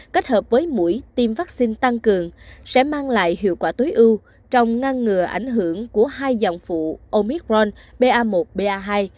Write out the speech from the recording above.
kết hợp với mũi tiêm vaccine tăng cường sẽ mang lại hiệu quả tối ưu trong ngăn ngừa ảnh hưởng của hai dòng phụ omicron pa một pa hai